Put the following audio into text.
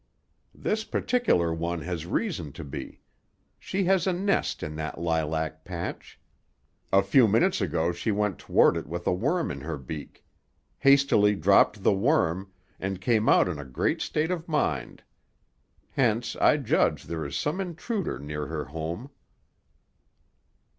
"This particular one has reason to be. She has a nest in that lilac patch. A few minutes ago she went toward it with a worm in her beak; hastily dropped the worm, and came out in a great state of mind. Hence I judge there is some intruder near her home."